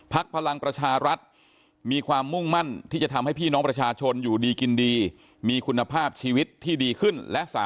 พลังประชารัฐมีความมุ่งมั่นที่จะทำให้พี่น้องประชาชนอยู่ดีกินดีมีคุณภาพชีวิตที่ดีขึ้น